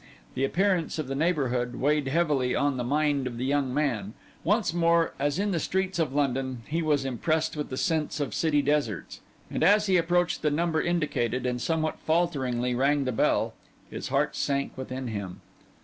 The appearance of the neighbourhood weighed heavily on the mind of the young man; once more, as in the streets of London, he was impressed with the sense of city deserts; and as he approached the number indicated, and somewhat falteringly rang the bell, his heart sank within him.